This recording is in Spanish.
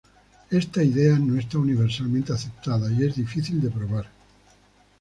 Esta idea no está universalmente aceptada y es difícil de probar.